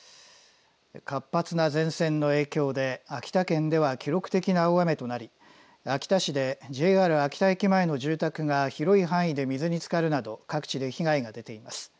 活発な前線の影響で秋田県では記録的な大雨となり秋田市でＪＲ秋田駅前の住宅が広い範囲で水につかるなど各地で被害が出ています。